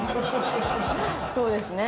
そうですね。